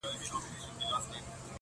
پوه نه سوم چي څنګه مي جانان راسره وژړل-